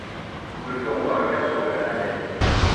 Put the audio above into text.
Nous le ferons dans le cadre de la navette.